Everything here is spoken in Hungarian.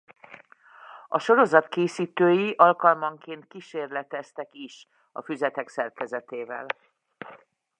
A sorozat készítői alkalmanként kísérleteztek is a füzetek szerkezetével.